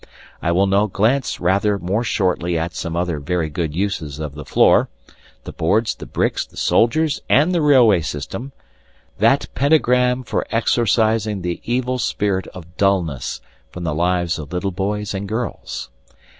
I will now glance rather more shortly at some other very good uses of the floor, the boards, the bricks, the soldiers, and the railway system that pentagram for exorcising the evil spirit of dulness from the lives of little boys and girls.